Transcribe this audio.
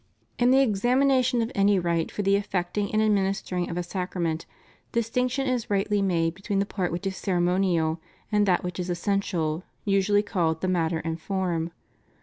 In the examination of any rite for the effecting and administering of a sacrament, distinction is rightly made between the part which is ceremonial and that which is essential, usually called the matter and form.